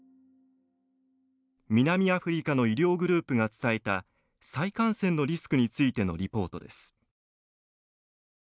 南アフリカの医療グループが伝えた再感染のリスクについてのリポートです。